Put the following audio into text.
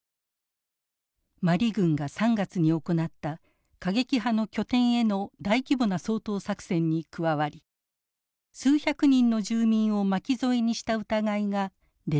マリ軍が３月に行った過激派の拠点への大規模な掃討作戦に加わり数百人の住民を巻き添えにした疑いが出ています。